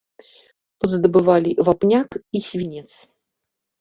Тут здабывалі вапняк і свінец.